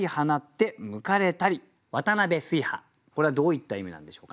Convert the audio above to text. これはどういった意味なんでしょうかね？